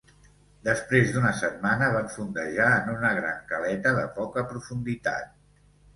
Després d'una setmana, van fondejar en una gran caleta de poca profunditat.